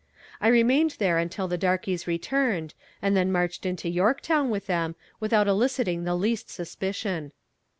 I remained there until the darkies returned, and then marched into Yorktown with them without eliciting the least suspicion.